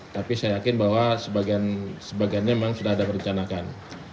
tapi saya yakin bahwa sebagiannya memang sudah ada merencanakan